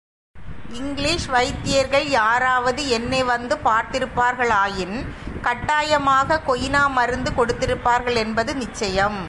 English வைத்தியர்கள் யாராவது என்னை வந்து பார்த்திருப்பார்களாயின், கட்டாயமாகக் கொயினா மருந்து கொடுத்திருப்பார்களென்பது நிச்சயம்.